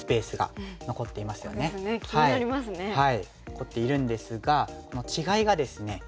残っているんですが違いがですね